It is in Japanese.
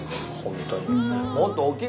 本当に。